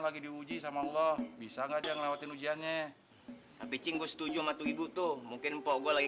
lagi diuji sama allah bisa nggak lewatin ujiannya abicin gue setuju mati ibu tuh mungkin pokok lagi